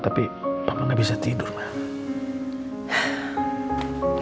apa yang aku lakuin